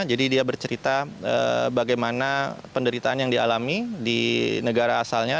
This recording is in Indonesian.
jadi dia bercerita bagaimana penderitaan yang dialami di negara asalnya